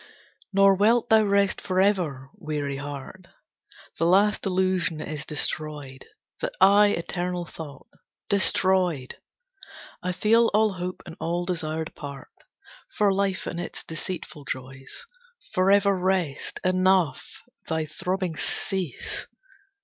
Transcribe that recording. Nor wilt thou rest forever, weary heart. The last illusion is destroyed, That I eternal thought. Destroyed! I feel all hope and all desire depart, For life and its deceitful joys. Forever rest! Enough! Thy throbbings cease!